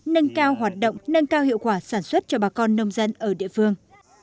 nâng cao hoạt động nâng cao hiệu quả sản xuất cho bà con nông dân ở địa phương